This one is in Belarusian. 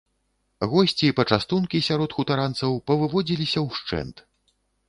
Госці і пачастункі сярод хутаранцаў павыводзіліся ўшчэнт.